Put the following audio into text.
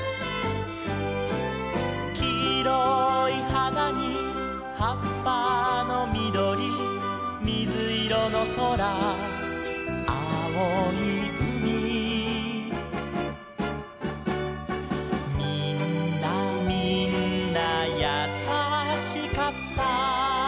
「きいろいはなにはっぱのみどり」「みずいろのそらあおいうみ」「みんなみんなやさしかった」